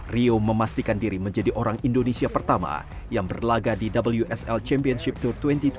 rio memastikan diri menjadi orang indonesia pertama yang berlagak di wsl championship tour dua ribu dua puluh